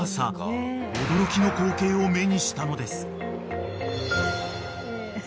［驚きの光景を目にしたのです］